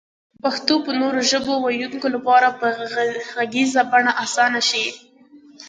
پښتو به نورو ژبو ويونکو لپاره په غږيزه بڼه اسانه شي